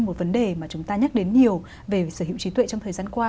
một vấn đề mà chúng ta nhắc đến nhiều về sở hữu trí tuệ trong thời gian qua